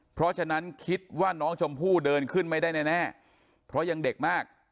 เพราะฉะนั้นคิดว่าน้องชมพู่เดินขึ้นไม่ได้แน่เพราะยังเด็กมาก